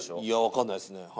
いや分かんないですね。